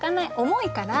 重いから！